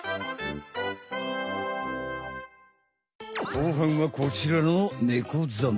後半はこちらのネコザメ。